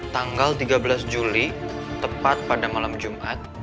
tanggal tiga belas juli tepat pada malam jumat